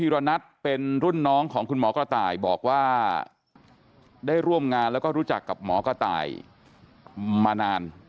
รณัทเป็นรุ่นน้องของคุณหมอกระต่ายบอกว่าได้ร่วมงานแล้วก็รู้จักกับหมอกระต่ายมานาน